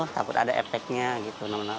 takut ada efeknya gitu